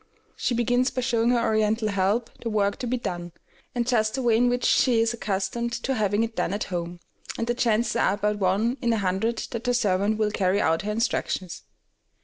She begins by showing her Oriental help the work to be done, and just the way in which she is accustomed to having it done at home, and the chances are about one in a hundred that her servant will carry out her instructions.